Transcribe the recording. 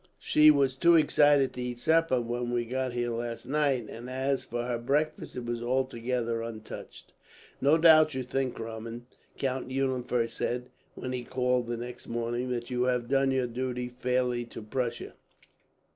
She was too excited to eat supper, when we got here last night; and as for her breakfast, it was altogether untouched." "No doubt you think, Drummond," Count Eulenfurst said, when he called the next morning, "that you have done your duty fairly to Prussia."